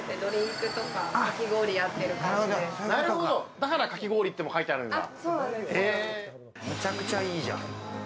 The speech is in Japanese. だからかき氷って書いてあるんだ。